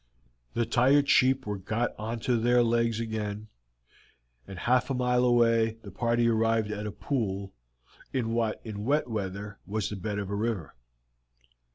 The tired sheep were got onto their legs again, and half a mile away the party arrived at a pool in what in wet weather was the bed of a river.